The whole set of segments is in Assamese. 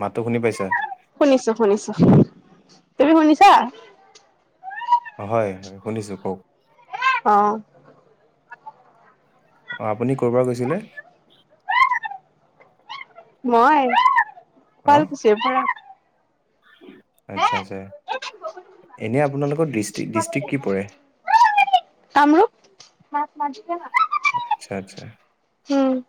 মাতো শুনি পাইছা শুনিছো শুনিছো তুমি শুনিছা অ হয় হয় শুনিছোঁ কওক অ অঁ আপুনি ক'ৰ পৰা কৈছিলে মই অ' ভালকুছিয় প আচ্ছা আচ্ছা এনে আপোনালোকৰ ডিষ্টিক ডিষ্ট্ৰিক্ কি পৰে তামৰো মছ মাজছে ন আচ্ছা আচ্ছা উম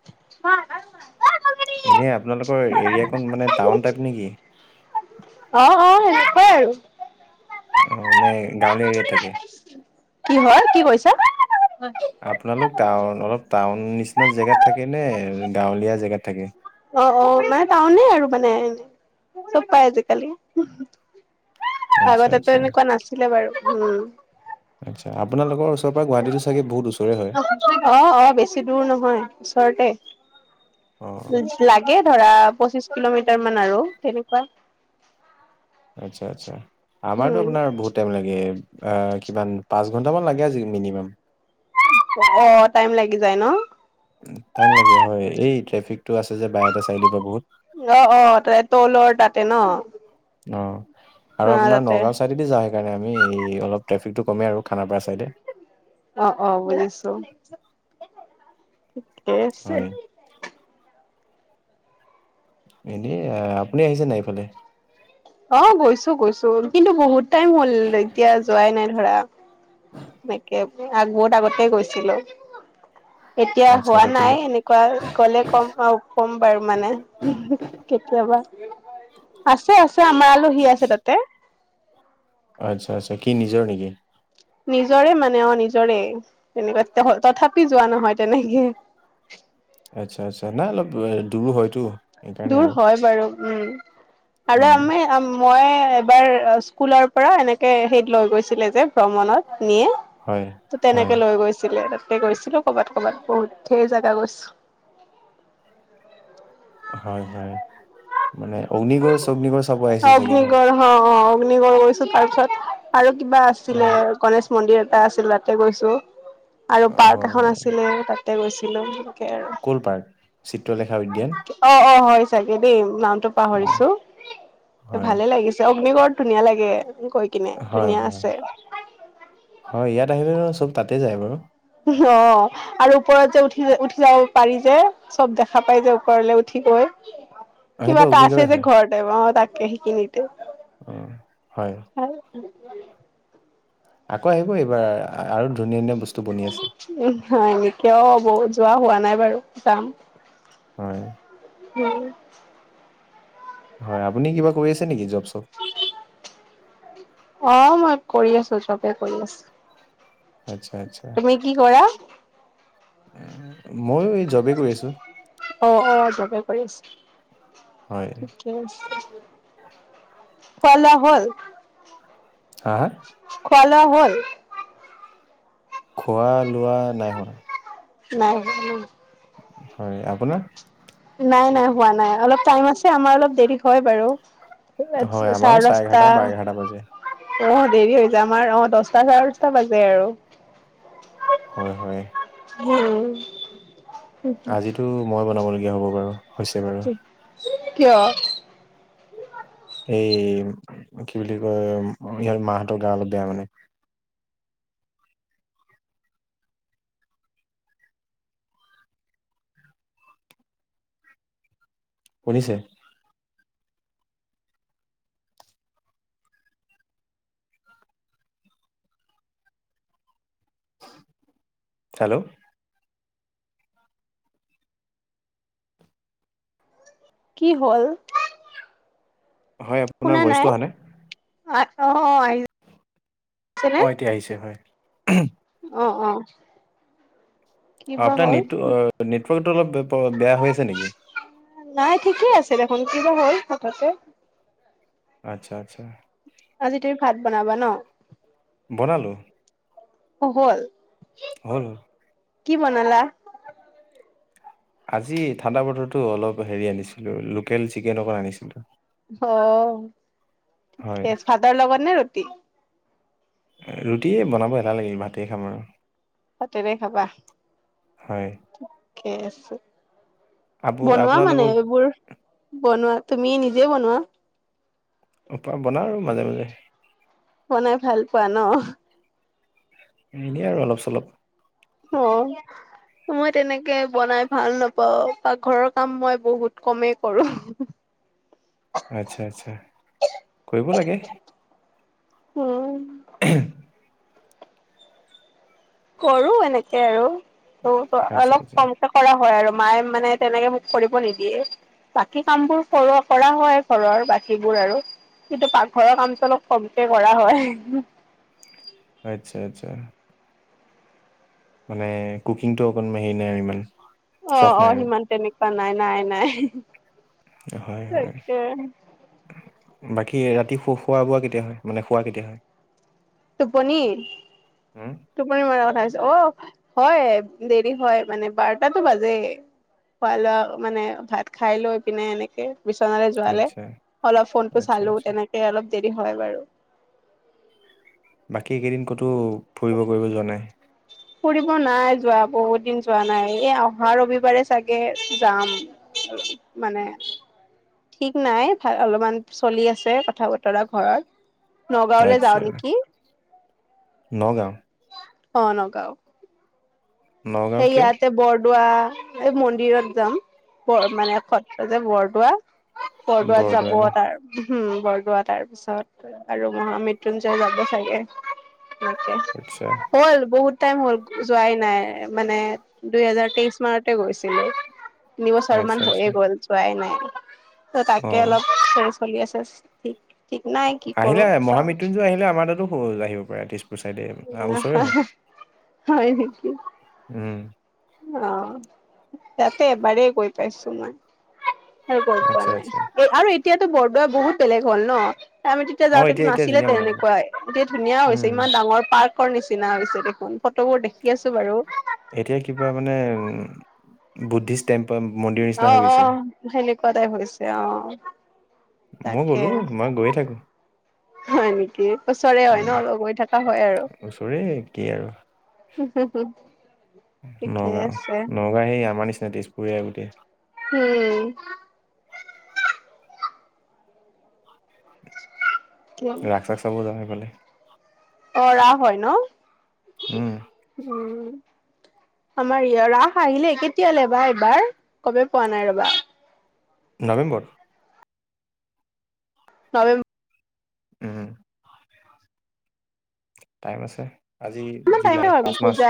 এনে আপোনালোকৰ এৰিয়াাক মানে টাউন টাইপ নেকি অ অ এনেকুৱা আৰু অঁ নাই গাঁৱলীয়া এৰিয়াাত থাকে কি হয় কি কৈছা আপোনালোক টাউন অলপ টাউন নিচিনা জেগাত থাকে নে গাঁৱলীয়া জেগাত থাকে অ অ মানে টাউনে আৰু মানে চব পাই আজিকালি আচ্ছা আগতেতো আচ্ছা এনেকুৱা নাছিলে বাৰু উম আচ্ছা আপালোকৰ ওচৰ পৰা গাহীতটো চাগ বহুত ওচৰে হয় অ অ বেছি দূৰ নহয় ওচৰতে অ লাগে ধৰা পঁচিশ কিলোমিটাৰ মান আৰু তেেনেকুৱা আচ্ছা আচ্ছা উম আমাৰতো আপোনাৰ ভত তেওঁলাগে কিমান পাঁচ ঘণ্টামান লাগে আজি মিনিমাম অ টাইম লাগি যায় ন টাইম লাগে হয়। এই ট্ৰেফিকতটো আছে যে বায় এটা চাই দিবা বহুত অ', অ', তাৰে তলৰ তাতে ন। অ, অ আৰু আপোনাৰ তাতে নগাঁও চাইদ দি যাওঁ সেইকাৰণে আমি অলপট্ৰেফিক টো কম আৰু খানাপাৰা চাইডে। অ', অ', বজিছো হয় [unintelligible] এনে আপুনি আহিছে নাই এইফালে। অ, গৈছো, গৈছো কিন্তু বহুত টাইম হ'ল এতিয়া যোৱাই নাই ধৰা। হয়। এনেকে আগবহত আগতে গৈছিলো এতিয়া আচ্ছা হোৱা আচ্ছা নাই কোনোবা এনে গ'লে কম, কম বাৰু মানে কেতিয়াবা আছে, আছে আমাৰ আলহী আছে তাতে। আচ্ছা, আচ্ছা কি নিজৰ নেকি? নিজৰে মানে অ, নিজৰে তেনেকা তথাপি যোৱা নহয় তেনেকে আচ্ছা, আচ্ছা নাই অলপ দূৰো হয়তো। সেইকাৰণে দূৰ আৰু হয় বাৰু উম, আৰু উম আমাৰ মই এবাৰ স্কুলৰ পৰা এনেকে হেইত লৈ গৈছিলে যে ভ্ৰমণত নিয়ে। হয় ত, হয় তেনেকে লৈ গৈছিলে তাতকে গৈছিলো কৰ'বাত, কৰ'বাত বহুত ঢেৰ জোগগা গৈছো। হয়, হয় মানে অগ্নিগড়, অগ্নিগড় চাব আহিছিল চাগে ন। অগ্নিগড় অ', অ', অগ্নিগড় গৈছো তাৰপিছত আৰু কিবা অ আছিলে। গনেশ মন্দিৰ এটা আছিল তাতে গৈছো আৰু পাৰ্ক হয় এখন হয় আছিলে তাতে গৈছিলো। আৰু ক'ল পাৰ্ক চিত্ৰলেখা উদ্যান অ', অ', হয় চাগে দেই নামটো অ পাহৰিছো। হয় ভালে লাগিছে, অগ্নিগড়ত ধুনীয়া লাগে কৈ কিনে হয় ধুনীয়া হয় আছে। হয় ইয়াত আহিলে নয় চব তাতেই যায় বাৰু। [unintelligible] অ'। আৰু ওপৰত যে উঠি, উঠি যাব পাৰি যে চব দেখা পাই যে ওপৰলৈ উঠি গৈ। [inaudible] কিবা এটা আছে অগ্নিগড়ে যে হয় ঘৰতে বা অ, তাকে শিকি নিয় অ, হয়। হ আকৌ আহিব এইবাৰ আৰু ধুনীয়া, ধুনীয়া বস্তু বনি আছে। উ, ন এনেকাও হ'ব যোৱা হোৱা নাই বাৰু যাম। হয়, হম। হয় আপুনি কিবা কৰি আছে নেকি জব, চব? অ, মই কৰি আছো, চবে কৰি আছো। আচ্ছা, আচ্ছা তুমি কি কৰা মই এই জব অ', অ', যবে কৰি হয়। আছোঁ। খোৱা, লোৱা হ'ল? হা? খোৱালোৱা হ'ল? খোৱা, লোৱা নাই হোৱা। নাই। হয় আপোনাৰ? নাই, নাই হোৱা নাই অলপ টাইম আছে আমাৰ অলপ দেৰি হয় বাৰু। হয়, আমাৰো চাৰে দস্তা এঘাৰটা বা এঘাৰটা বাজে। আহ দেৰি হৈ যায় আমাৰ অ, দছটা, চাৰে দটা বাজে আৰু। হয়, হয়। হম। আজিতো মই বনাব লগগীয়া হ'ব বাৰু হৈছে বাৰু। কিয়? এই কি বুলি কয় ইহঁত মাহঁতৰ গা অলপ বেয়া মানে। শুনিছে? হেল্ল' কি হ'ল? হয় আপোনাৰ শুনা ভইচটো নাই অহা অ', আহ অ', এতিয়া আহিছে হয় অ', অ', অ', কিবা আপোনাৰ হ'ল নেট নেটৱৰ্কটো অলপ বেয়া হৈ আছে নেকি নাই ঠিকেই আছে দেখোন, কিবা হ'ল হঠাতে আচ্ছা, আচ্ছা, আজি তুমি ভাত বনাবা ন? বনালোঁ হল হল কি বনালা? আজি ঠাণ্ডা বতৰটো, অলপ হেৰি আনিছিলোঁ লোকেল চিকেন অকণ আনিছিলো অ', হয় ঠিকে ভাৰৰ লগত নে ৰুটি? ৰুটিয়ে বনাব এটা লাগিল ভাতে খাম আৰু ভাতেৰে খাবা হয় ঠিকে আছে আপ বনোৱা মানে, আপোনালোকৰ এইবোৰ বনোৱা তুমি নিজে বনোৱা প বনাওঁ আৰু মাজে মাজে বনাই ভাল পোৱা ন এ এনেই আৰু অলপ চলপ অ', মই তেনেকে বনাই ভাল নাপাওঁ পাকঘৰৰ কাম মই বহুত কমেই কৰো আচ্ছা, আচ্ছা, কৰিব লাগে উম, উ, কৰো এনেকে আৰু, ত আচ্ছা অলপ আচ্ছা কম কৰা হয় আৰু মায়ে মানে, তেনেকে মোক কৰিব নিদিয়ে বাকী, কামবোৰ কৰ কৰা হয় ঘৰৰ বাকীবোৰ আৰু কিন্তু পাকঘৰৰ কামটো অলপ কমকে কৰা হয় আচ্চ্ছা, আচ্ছা, মানে কুকিংটো অকণমান হেৰি নাই আৰু ইমান চখ নাই অ', আৰু সিমান তেনেকুৱা নাই নাই নাই হয় হয়। তাকে বাকী ৰাতি খোৱা বোৱা কেতিয়া হয় মানে খোৱা কেতিয়া হয়? তটো পনীৰ হুম? তটোমনি মৰা কথাছ অ', হয় দেৰি হয় মানে বাৰটাতটো বাজে খোৱা লোৱা মানে, ভাত খাই লৈ পিনে এনেকে বিচন যোৱালে আচ্ছা অলপ ফোনটো আচ্ছা চালো আচ্ছা তেনেকে অলপ দেৰি হয় বাৰু বাকীকেইদিন ক'তো ফুৰিব কৰিব যোৱা নাই ফুৰিব নাই যোৱা বহুত দিন যোৱা নাই, এই অহা ৰবিবাৰে চাগে যাম মানে, ঠিক নাই, ভাল অলপমান চলি আছে কথা বতৰা ঘৰত নগাঁওলৈ যাওঁ আচ্ছা, নেকি নগাঁও অ ', নগাঁও নগাঁও কিয় সেইয়াতে বৰদোৱা এই মন্দিৰত যাম, ব মানে সত্ৰ যে বৰদোৱা বৰদোৱাত যাব বৰদোৱা ন তাৰ উম বৰদোৱা তাৰপিছত আৰু মই মৃত্যঞ্জয় যাব চাগে সনেকে আচ্ছা হ'ল বহুত টাইম হ'ল যোৱাই নাই। মানে দুইহেজাৰ তেইশ মতে গৈছিলো তিনি বছৰ মান আচ্ছা হৈয়ে আচ্ছা গ'ল পোৱাই নাই ত অ তাকে অলপ চলি আছে ঠিক নাই কি কৰো আহিলে চাও মহামৃত্যুঞ্জয় আহিলে আমাৰ তাতো আহিব পাৰে চাইডে ওচৰে হয় হয় নেকি উম অ', তাতে এবাৰেই গৈ পাইছো মই। সেই গৈ পোৱা আচ্ছা নাই আচ্ছা এ আৰু এতিয়াতো বৰদোৱা বহুত বেলেগ হল ন আমি তেতিয়া অ এতিয়া যাওঁতেতো এতিয়া নাছিলে ধুনীয়া বনাই পেলাই তেনেকুৱাই এতিয়া ধুনীয়া হৈছে উম ইমান ডাঙৰ পাৰ্ক। নিচিনা হৈছে দেখোন ফটোবোৰ দেখি আছো বাৰু এতিয়া কিবা মানে বুদ্ধিষ্ট টেম্পল মন্দিৰ নিচিনা অ', হৈ গৈছে অ', সেনেকুৱাটাই হৈছে আহ মই গ'লো মই গৈয়ে থাকো। হয় নেকি ওচৰে হয় উম ন লগৈ থকা হয় আৰু। ওচৰে কি আৰু। উম হুম হুম নগাঁও নগাঁও সেই আমাৰ নিচিনা তেজপুৰীয়া গোটেই [inaudible] ৰাস চাখ চব যাম ইফোলে অ', ৰাস হয় ন উম উম আমাৰ ই ৰাস আহিলে কেতিয়ালৈবা এবাৰ কব পোৱা নাই ৰবা নৱেম্বৰ নৱে উম টাইম আছে আজি টাইম জুলাই পাঁচ মাহ আছে পূজা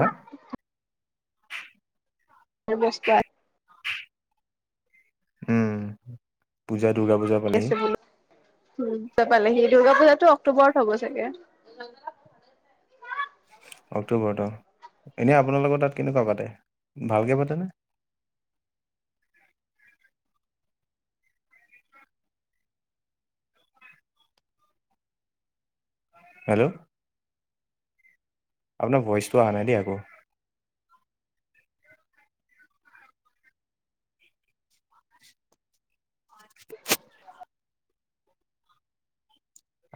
হা [unintelligible] উম পূজা দুূৰ্গা পূজা পালিহি উম পালে সি দুৰ্গা পূজাতটো অক্টোবৰত হ'ব চাগে [inaudible] অক্টোবৰত অ', এনে আপোনালোকৰ তাত কেনেকুৱা পাতে ভালকৈ পাতেনে হেল্ল' আপোনাৰ ভইচটো অহা নাই দেই আকৌ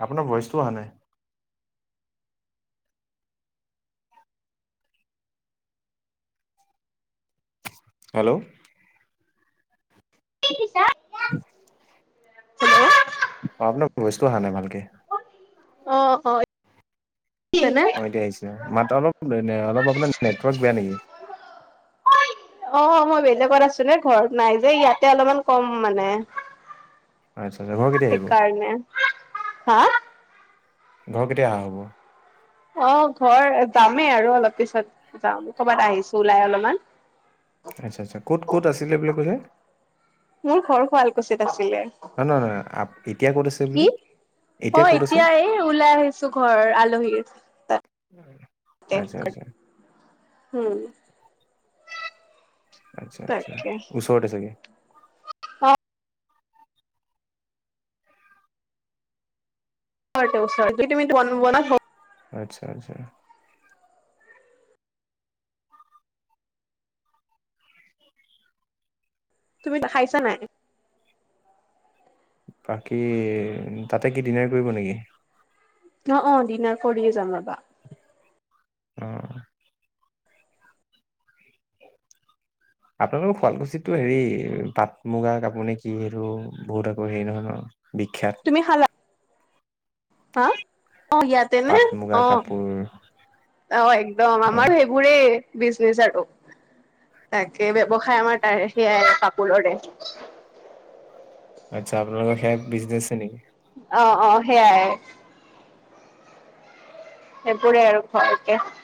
আপোনাৰ ভইচতো অহা নাই হেল্ল' [unintelligible] হেল্ল' আছেনে? অ', আপোনাৰ বস্তু অহা নাই ভালকে অ', অ', কি হয় ন অ', এতিয়া আহিছে মাত অলপ অলপ আপোনাৰ নেটৱৰ্ক বেয়া নেকি অ', মই বেলেগত আছো নে ঘৰত নাই যে ইয়াতে অলপমান কম মানে। আচ্ছা ঘৰ আহিব সেইকাৰণে হা ঘৰ কেতিয়া অাহা হ'ব অ', ঘৰ যামেই আৰু অলপ পিছত যাম কৰ'বাত আহিছো ওলাই অলপমান আচ্ছা আচ্ছা ক'ত কত আছিলে বুলিলে কলে মোৰ ঘৰ শুৱালকুছিত আছিলে নহয় নহয় নহয় এতিয়া ক'ত আছে কি বুলি অ', এতিয়া এই ওলাই আহিছো ঘৰ আলহীৰ তাত। আচ্ছা আচ্ছা। হম। আচ্ছা, আচ্ছা তাকে ওচৰতে চাগে? অ [unintelligible] আচ্ছা, আচ্ছা। তুমি দেখাইছা নাই? বাকী, তাতে কি ডিনাৰ কৰিব নেকি? অ', অ', দিনাৰ কৰিয়ে যাম ৰবা। অ'। আপোনালোকৰ শুৱালকুছিতো হেৰি পাট মুগা কাপোৰ নে কি বুলি কয় এইটো, বহুত আকৌ হেৰি নহয় নহ। বিখ্যাত। তুমি খালা, হা? অ', ইয়াত তেনে পাট মুগা অ'। কাপোৰ অ', একদম অ আমাৰ সেইবোৰে বিজনেচ আৰু। তাকে, ব্যৱসায় আমাৰ তাৰে সেয়াই কাপোৰৰে। আচ্ছা, আপোনালোকৰ সেইয়া বিজনেছ এ নেকি? অ', অ', সেইয়াৱে। সেইবোৰে আৰু। [unintelligible]